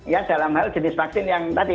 ya dalam hal jenis vaksin yang tadi